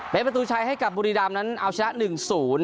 เป็นประตูชัยให้กับบุรีรามนั้นเอาชนะหนึ่งศูนย์